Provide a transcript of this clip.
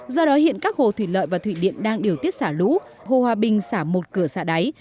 do đó hiện các hồ thủy lợi và thủy điện đang điều tiết xả lũ hồ hòa bình xả một cửa xả đáy